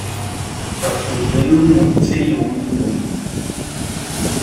Das Museum "Muzeum im.